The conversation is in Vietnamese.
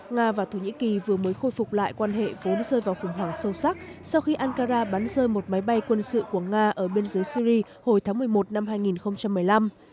nga và thổ nhĩ kỳ vừa mới khôi phục lại quan hệ vốn rơi vào khủng hoảng sâu sắc sau khi ankara bắn rơi một máy bay quân sự của nga ở biên giới syri hồi tháng một mươi một năm hai nghìn một mươi năm